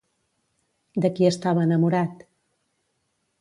De qui estava enamorat?